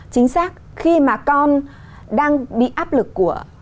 chính xác khi mà con đang bị áp lực của